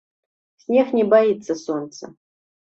Снег не баіцца сонца.